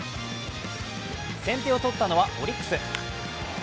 先手を取ったのはオリックス。